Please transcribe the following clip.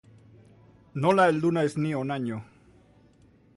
Nola heldu naiz ni honaino.